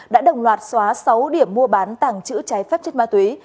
đã đồng loạt xóa sáu điểm mua bán tàng trữ trái phép chất ma túy